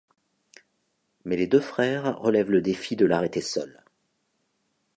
Mais les deux frères relèvent le défi de l'arrêter seul.